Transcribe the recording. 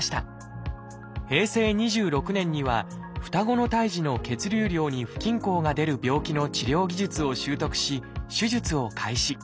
平成２６年には双子の胎児の血流量に不均衡が出る病気の治療技術を習得し手術を開始。